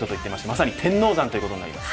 まさに天王山ということになります。